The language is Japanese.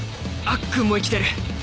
アッくんも生きてる